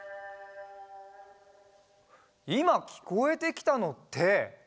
いまきこえてきたのって。